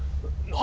何！？